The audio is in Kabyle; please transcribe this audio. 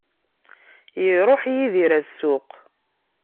Iruḥ Yidir ɣer ssuq.